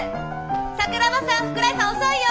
桜庭さん福来さん遅いよ！